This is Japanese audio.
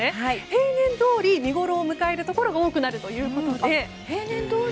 平年どおり見ごろを迎えるところが多くなるということで。